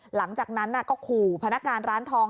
หลังจากนั้นก็ขู่พนักงานร้านทอง